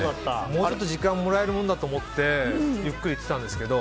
もうちょっと時間もらえるものだと思ってゆっくりやっていたんですけど。